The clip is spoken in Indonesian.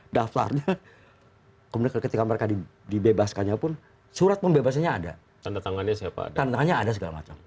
daftarnya kemudian ketika mereka dibebaskannya pun surat pembebasannya ada tanda tangannya siapa tandanya ada segala macam